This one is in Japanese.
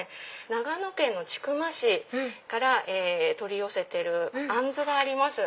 長野県の千曲市から取り寄せてるアンズがあります。